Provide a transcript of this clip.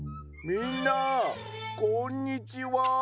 みんなこんにちは。